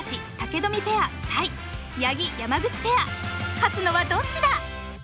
勝つのはどっちだ。